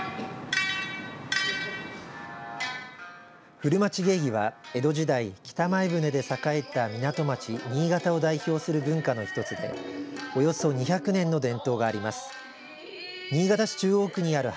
古町芸妓は江戸時代、北前船で栄えた港町、新潟を代表する文化の１つでおよそ２００年の伝統があります。